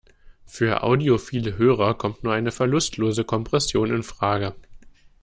Für audiophile Hörer kommt nur eine verlustlose Kompression infrage.